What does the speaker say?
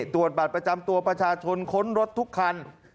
ตรวจบัตรประจำตัวประชาชนค้นรถทุกคัน